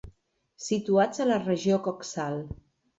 Situats a la regió coxal.